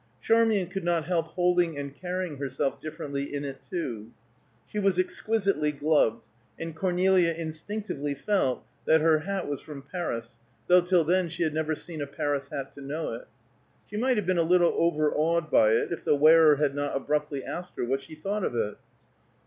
Charmian could not help holding and carrying herself differently in it, too. She was exquisitely gloved, and Cornelia instinctively felt that her hat was from Paris, though till then she had never seen a Paris hat to know it. She might have been a little overawed by it, if the wearer had not abruptly asked her what she thought of it.